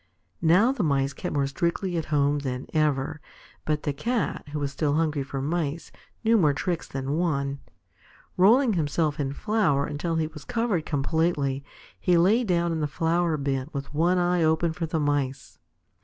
Now the Mice kept more strictly at home than ever. But the Cat, who was still hungry for Mice, knew more tricks than one. Rolling himself in flour until he was covered completely, he lay down in the flour bin, with one eye open for the Mice.